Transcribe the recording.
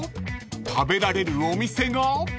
［食べられるお店が］